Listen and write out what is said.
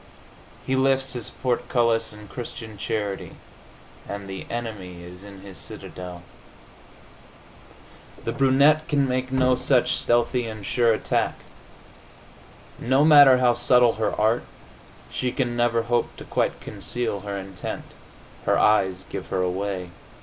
He lifts his portcullis in Christian charity and the enemy is in his citadel. The brunette can make no such stealthy and sure attack. No matter how subtle her art, she can never hope to quite conceal her intent. Her eyes give her away.